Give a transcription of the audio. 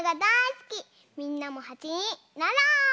みんなもはちになろう！